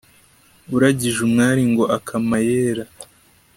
uragije umwari ngo akama ayera